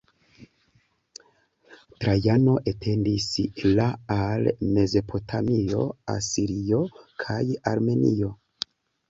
Trajano etendis la al Mezopotamio, Asirio kaj Armenio.